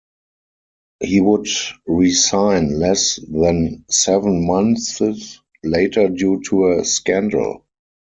He would resign less than seven months later due to a scandal.